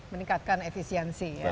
meningkatkan efisiensi ya